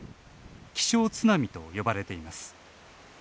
気象津波と呼ばれています。